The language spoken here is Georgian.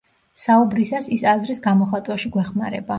საუბრისას ის აზრის გამოხატვაში გვეხმარება.